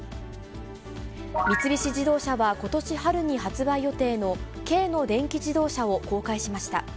三菱自動車はことし春に発売予定の軽の電気自動車を公開しました。